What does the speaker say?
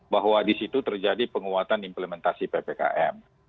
bahwa di situ terjadi penguatan implementasi ppkm